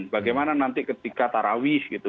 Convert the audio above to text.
bagaimana nanti ketika tarawih gitu